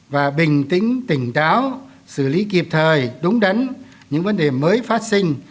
và bình tĩnh tỉnh táo xử lý kịp thời đúng đắn những vấn đề mới phát sinh